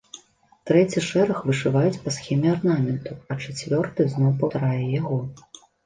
Трэці шэраг вышываюць па схеме арнаменту, а чацвёрты зноў паўтарае яго.